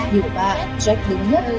điều ba jack đúng nhất